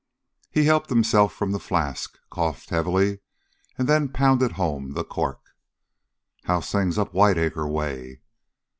He helped himself from the flask, coughed heavily, and then pounded home the cork. "How's things up Whiteacre way?"